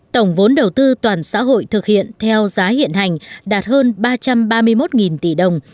tổng vốn đầu tư toàn xã hội thực hiện theo giá hiện hành đạt hơn ba trăm ba mươi một tỷ đồng